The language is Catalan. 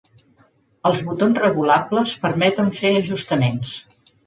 Els botons regulables permeten fer ajustaments.